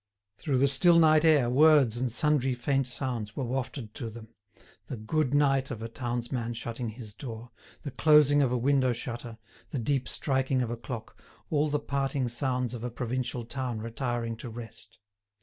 Through the still night air words and sundry faint sounds were wafted to them, the "good night" of a townsman shutting his door, the closing of a window shutter, the deep striking of a clock, all the parting sounds of a provincial town retiring to rest.